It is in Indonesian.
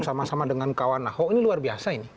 sama sama dengan kawan ahok ini luar biasa ini